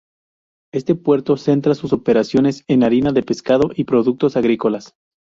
Este puerto centra sus operaciones en harina de pescado y productos agrícolas.